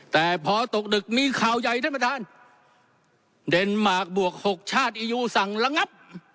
แต่พอตกดึกมีข่าวใหญ่ท่านประธานเดนมาร์คบวกหกชาติอียูสั่งระงับ